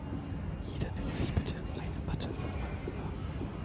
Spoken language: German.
Jeder nimmt sich bitte eine Matte vom Mattenwagen.